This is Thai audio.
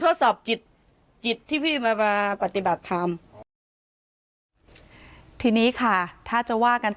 ทดสอบจิตจิตที่พี่มามาปฏิบัติธรรมทีนี้ค่ะถ้าจะว่ากัน